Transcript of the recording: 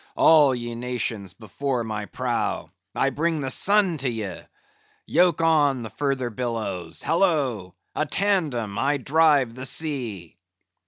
all ye nations before my prow, I bring the sun to ye! Yoke on the further billows; hallo! a tandem, I drive the sea!"